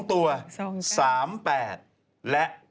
๒ตัว๓๘และ